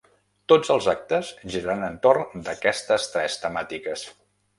Tots els actes giraran entorn d’aquestes tres temàtiques.